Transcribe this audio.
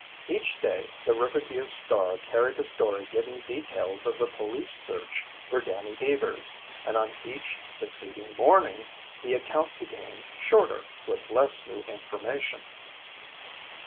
Each day the Riverview Star carried a story giving details of the police search for Danny Deevers, and on each succeeding morning the account became shorter, with less new information.